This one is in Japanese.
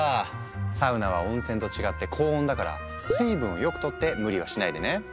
サウナは温泉と違って高温だから水分をよくとって無理はしないでね。